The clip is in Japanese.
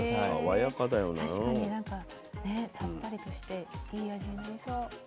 確かになんかねさっぱりとしていい味になりそう。